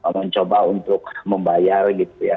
mencoba untuk membayar gitu ya